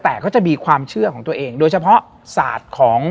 และวันนี้แขกรับเชิญที่จะมาเยี่ยมในรายการสถานีผีดุของเรา